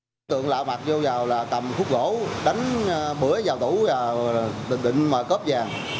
đối tượng lạ mặt vô vào là cầm khúc gỗ đánh bữa vào tủ định mà cốp vàng